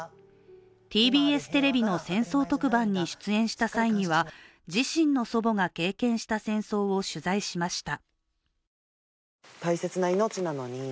ＴＢＳテレビの戦争特番に出演した際には自身の祖母が経験した戦争を取材しました。